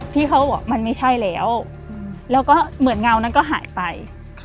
พี่เขาก็บอกมันไม่ใช่แล้วแล้วก็เหมือนเงานั้นก็หายไป